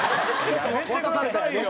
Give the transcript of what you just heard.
やめてくださいよ！